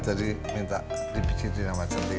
jadi minta dibicin di nama cintinik